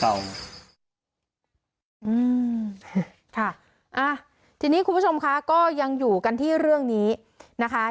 อืมค่ะอ่าทีนี้คุณผู้ชมคะก็ยังอยู่กันที่เรื่องนี้นะคะ